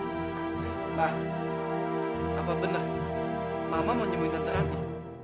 nah apa benar mama mau nyembuhin tante ranti